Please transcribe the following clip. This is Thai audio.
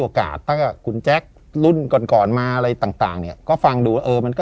โอกาสคุณแจ๊ครุ่นก่อนมาอะไรต่างก็ฟังดูเออมันก็